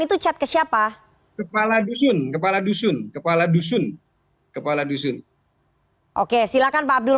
itu cat ke siapa kepala dusun kepala dusun kepala dusun kepala dusun oke silakan pak abdul